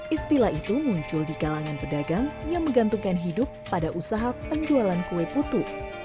istilah itu muncul di kalangan pedagang yang menggantungkan hidup pada usaha penjualan kue putu